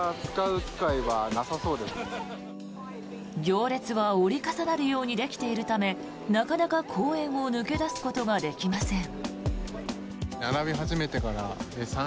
行列は折り重なるようにできているためなかなか公園を抜け出すことができません。